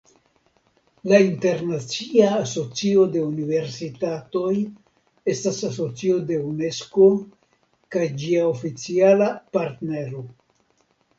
La Internacia Asocio de Universitatoj estas asocio de Unesko kaj ĝia oficiala partnero.